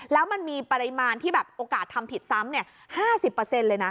แล้วมันมีปริมาณที่แบบโอกาสทำผิดซ้ำ๕๐เลยนะ